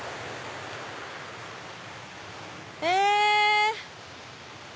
え！